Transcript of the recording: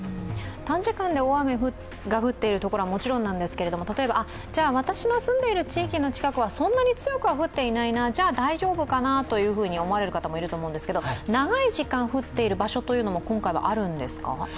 短時間で大雨が降っているところはもちろんなんですけれども例えば、私の住んでいる地域の近くはそんなに強くは降っていないな、じゃあ大丈夫かなというふうに思われる方もいると思うんですが、長い時間降っている場所というのも今回はあるんですか？